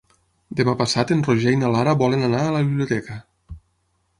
Demà passat en Roger i na Lara volen anar a la biblioteca.